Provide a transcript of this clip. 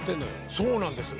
そうなんですよ。